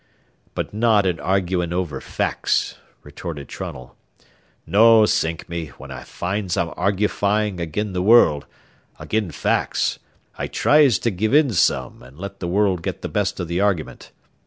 "But not in argufying over facts," retorted Trunnell. "No, sink me, when I finds I'm argufying agin the world, agin facts, I tries to give in some and let the world get the best o' the argument.